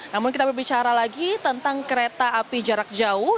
namun kita berbicara lagi tentang kereta api jarak jauh